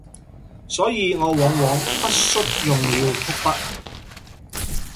所以我往往不恤用了曲筆，